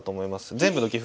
全部の棋譜